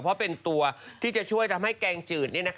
เพราะเป็นตัวที่จะช่วยทำให้แกงจืด